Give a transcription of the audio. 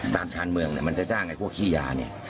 ชานเมืองเนี่ยมันจะจ้างไอ้พวกขี้ยาเนี่ย